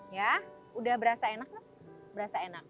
ya udah berasa enak lah berasa enak